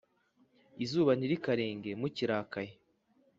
Izuba ntirikarenge mukirakaye